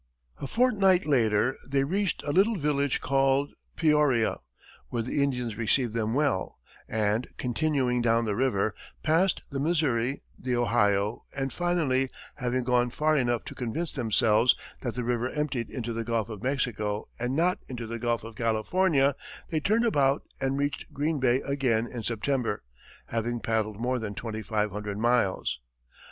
A fortnight later, they reached a little village called Peoria, where the Indians received them well, and continuing down the river, passed the Missouri, the Ohio, and finally, having gone far enough to convince themselves that the river emptied into the Gulf of Mexico and not into the Gulf of California, they turned about and reached Green Bay again in September, having paddled more than 2,500 miles.